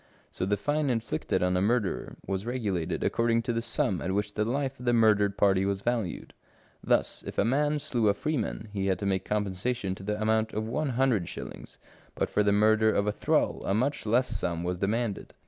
So the fine inflicted on a murderer was regulated according to the sum at which the life of the murdered party was valued ; thus, if a man slew a freeman, he had to make compensation to the amount of one hundred shillings, but for the murder of a thrall a much less sum was demanded.